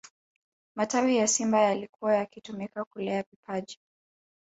matawi ya simba yalikuwa yakitumika kulea vipaji